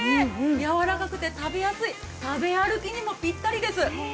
やわらかくて食べやすい食べ歩きにもぴったりです。